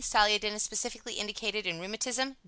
"Saliodin" is specifically indicated in Rheumatism.